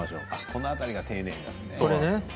この辺りが丁寧ですね。